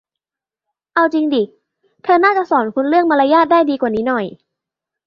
เอาจริงดิ เธอน่าจะสอนคุณเรื่องมารยาทได้ดีกว่านี้หน่อย